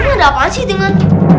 ini ada apaan sih dengan